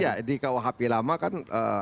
iya di rukuhp lama kan